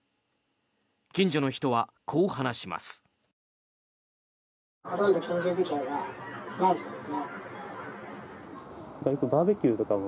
近所の人はこう話します。